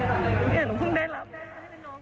ไม่ได้หนูเพิ่งได้รับ